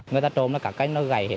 người ta trộm là cả cây nó gãy